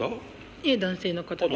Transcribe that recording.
いえ男性の方です。